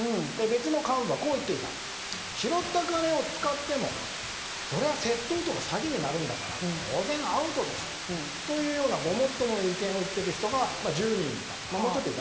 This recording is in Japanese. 別の幹部は拾った金を使ってもそれは窃盗とか詐欺になるんだから当然アウトでしょというようなごもっともな意見を言っている人が１０人いた。